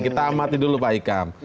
kita amati dulu pak ikam